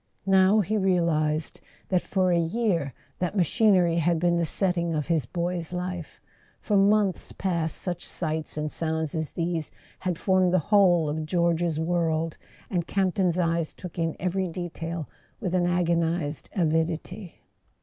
Now he realized that for a year that machinery had been the setting of his boy's life; for months past such sights and sounds as these had formed the whole of George's world; and Camp ton's eyes took in every detail with an agonized avidity.